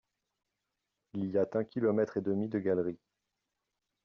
Il y a un kilomètre et demi de galeries.